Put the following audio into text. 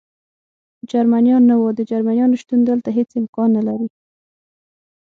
جرمنیان نه و، د جرمنیانو شتون دلته هېڅ امکان نه لري.